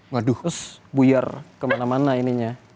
waduh buyar kemana mana ininya